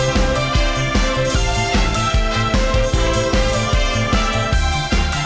โปรดติดตามตอนต่อไป